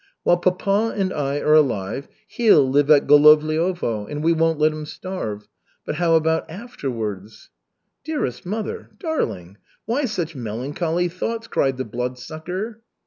While papa and I are alive, he'll live at Golovliovo, and we won't let him starve. But how about afterwards?" "Dearest mother! Darling! Why such melancholy thoughts?" cried the Bloodsucker.